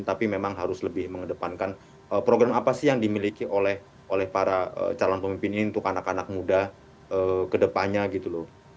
tapi memang harus lebih mengedepankan program apa sih yang dimiliki oleh para calon pemimpin ini untuk anak anak muda ke depannya gitu loh